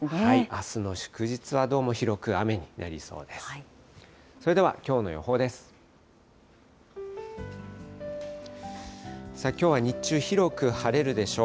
あすの祝日は、どうも広く雨になりそうです。